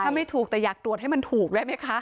ถ้าไม่ถูกแต่อยากตรวจให้มันถูกได้ไหมคะ